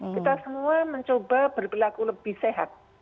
kita semua mencoba berperilaku lebih sehat